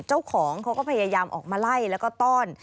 เจ้าของเขาก็พยายามออกมาไล่แล้วก็ต้อน